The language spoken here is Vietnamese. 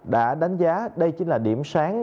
đã đánh giá đây chính là điểm sáng